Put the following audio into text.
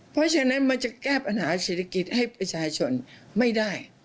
เพราะฉะนั้นมันจะแก้ปัญหาเศรษฐกิจให้ประชาชนไม่ได้